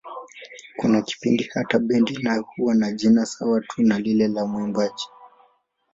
Kuna kipindi hata bendi nayo huwa na jina sawa tu na lile la mwimbaji.